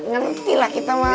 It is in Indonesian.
ngerti lah kita mah